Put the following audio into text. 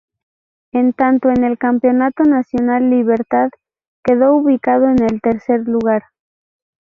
En tanto, en el campeonato nacional, Libertad quedó ubicado en el tercer lugar.